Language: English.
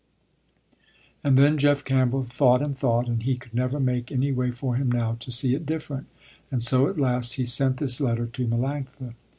And then Jeff Campbell thought and thought, and he could never make any way for him now, to see it different, and so at last he sent this letter to Melanctha.